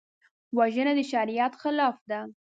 وژنه د شریعت خلاف ده